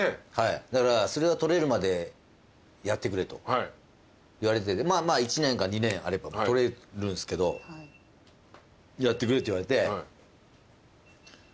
だからそれが取れるまでやってくれと言われててまあまあ１年か２年あれば取れるんですけどやってくれって言われてはいって言ってた。